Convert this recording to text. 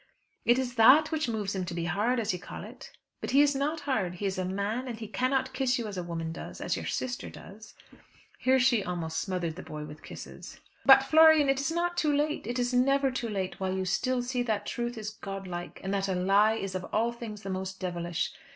It is that which moves him to be hard, as you call it. But he is not hard; he is a man, and he cannot kiss you as a woman does; as your sister does;" here she almost smothered the boy with kisses, "but, Florian, it is not too late; it is never too late while you still see that truth is godlike, and that a lie is of all things the most devilish.